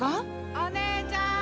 ・お姉ちゃん！